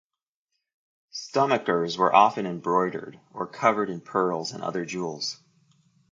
Stomachers were often embroidered, or covered in pearls and other jewels.